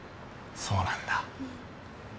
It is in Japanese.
そうなんだ。